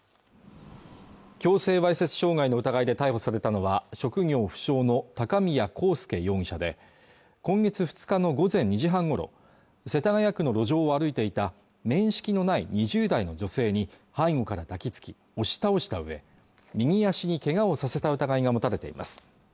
強制わいせつ傷害の疑いで逮捕されたのは職業不詳の高宮幸介容疑者で今月２日の午前２時半ごろ世田谷区の路上を歩いていた面識のない２０代の女性に背後から抱きつき押し倒した上右足にけがをさせた疑いが持たれています